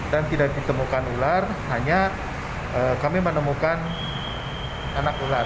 dan tidak ditemukan ular hanya kami menemukan anak ular